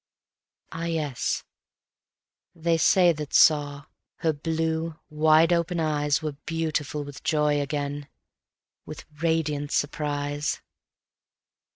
... Ah yes, they say that saw: her blue, wide open eyes Were beautiful with joy again, with radiant surprise.